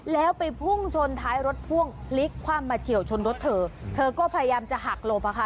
แล้วไปพุ่งชนท้ายรถพ่วงพลิกคว่ำมาเฉียวชนรถเธอเธอก็พยายามจะหักหลบอ่ะค่ะ